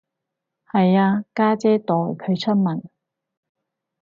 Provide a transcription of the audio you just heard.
係啊，家姐代佢出文